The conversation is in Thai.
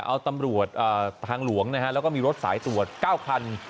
เอาตำรวจทางหลวงนะฮะแล้วก็มีรถสายตรวจ๙คัน